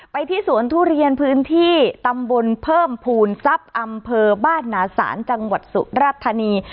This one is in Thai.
ไปที่สวนทุเรียนพื้นที่ตำบลเพิ่มภูณศัพท์อำเภอบ้านหนาสารจังหวัดสุรรัฐนีย์